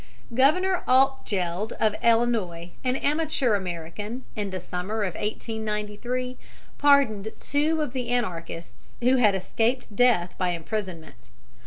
Governor Altgeld, of Illinois, an amateur American, in the summer of 1893 pardoned two of the Anarchists who had escaped death by imprisonment.